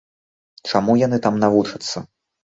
Чаму яны там навучацца?